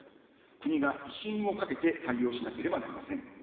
国が威信をかけて対応しなければなりません。